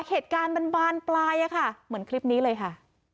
เหตุการณ์บานปลายเหมือนคลิปนี้เลยค่ะ